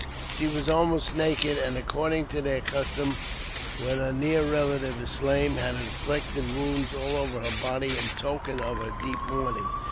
" She was almost naked, and, according to their custom when «a near relative is slain, had inflicted wounds all over her body in token of her deep mourning.